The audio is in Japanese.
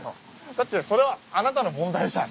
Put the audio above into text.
だってそれはあなたの問題じゃん。